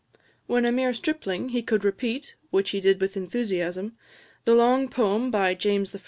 When a mere stripling, he could repeat, which he did with enthusiasm, the long poem by James I.